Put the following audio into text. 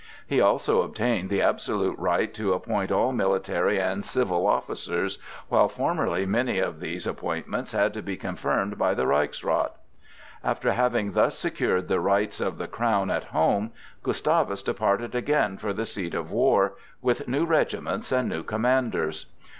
He also obtained the absolute right to appoint all military and civil officers, while formerly many of these appointments had to be confirmed by the Reichsrath. After having thus secured the rights of the crown at home, Gustavus departed again for the seat of war, with new regiments and new commanders.